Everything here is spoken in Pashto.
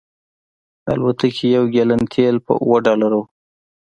د الوتکې یو ګیلن تیل په اوه ډالره و